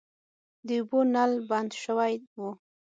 د اوبو نل بند شوی و.